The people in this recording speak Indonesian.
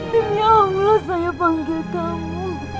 timnya allah saya panggil kamu